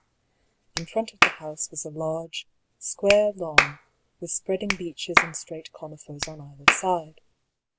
In front of the house was a large, square lawn, with spreading beeches and straight conifers on either side.